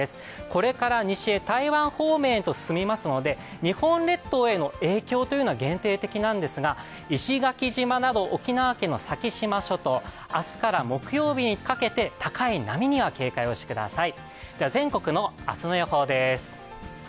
これから西へ台湾方面へと進みますので日本列島への影響というのは限定的なんですが、石垣島など沖縄県の先島諸島、明日から木曜日にかけて高い波には警戒をしてください。